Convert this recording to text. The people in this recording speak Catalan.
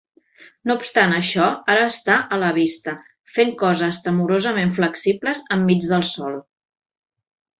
No obstant això, ara està a la vista, fent coses temorosament flexibles enmig del sòl.